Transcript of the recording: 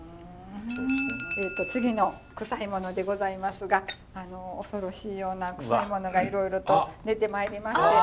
えっと次のクサいものでございますが恐ろしいようなクサいものがいろいろと出てまいりまして。